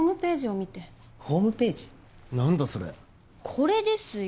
これですよ。